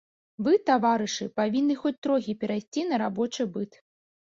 Вы, таварышы, павінны хоць трохі перайсці на рабочы быт.